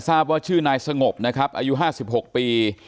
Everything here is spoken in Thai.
ทราบว่าชื่อนายสงบนะครับอายุห้าสิบหกปี